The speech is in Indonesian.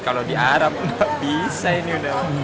kalau di arab nggak bisa ini udah